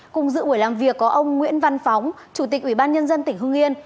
cùng dự buổi làm việc có ông nguyễn văn phóng chủ tịch ủy ban nhân dân tỉnh hưng yên